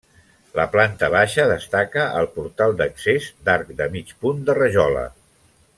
La planta baixa destaca el portal d’accés d’arc de mig punt de rajola.